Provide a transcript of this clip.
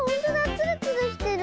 ツルツルしてる！